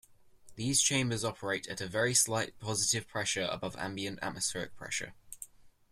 These chambers operate at very slight positive pressure above ambient atmospheric pressure.